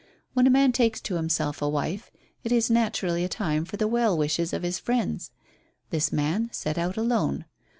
When a man takes to himself a wife, it is naturally a time for the well wishes of his friends. This man set out alone.